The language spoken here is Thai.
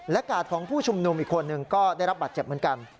กาดของผู้ชุมนุมอีกคนนึงก็ได้รับบาดเจ็บเหมือนกัน